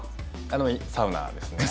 あのサウナですね。